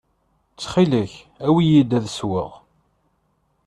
Ttxil-k, awi-yi-d ad sweɣ.